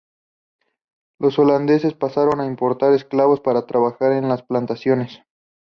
Los holandeses pasaron a importar esclavos para trabajar en las plantaciones.